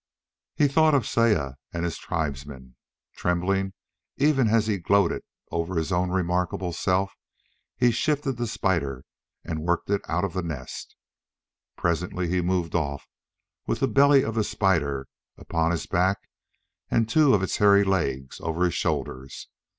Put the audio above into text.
He thought of Saya and his tribesmen. Trembling even as he gloated over his own remarkable self, he shifted the spider and worked it out of the nest. Presently he moved off with the belly of the spider upon his back and two of its hairy legs over his shoulders.